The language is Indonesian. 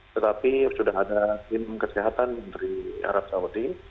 tetapi sudah ada tim kesehatan dari arab saudi